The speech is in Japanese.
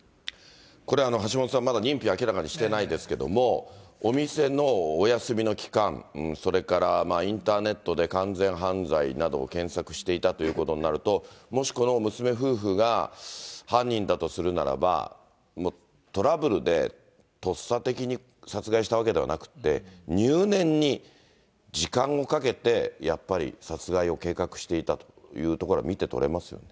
これ、橋下さん、まだ認否明らかにしていないですけども、お店のお休みの期間、それからインターネットで、完全犯罪などを検索していたということになると、もし、この娘夫婦が犯人だとするならば、トラブルでとっさ的に殺害したわけではなくて、入念に、時間をかけて、やっぱり殺害を計画していたというところは見て取れますよね。